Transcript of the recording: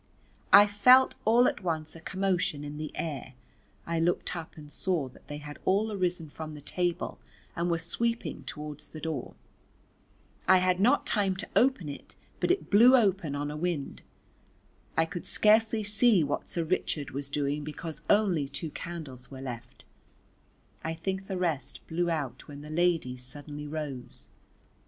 I felt all at once a commotion in the air, I looked up and saw that they had all arisen from the table and were sweeping towards the door: I had not time to open it but it blew open on a wind, I could scarcely see what Sir Richard was doing because only two candles were left, I think the rest blew out when the ladies suddenly rose.